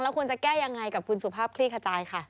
แล้วควรจะแก้อย่างไรกับคุณสุภาพพรีขจายค่ะ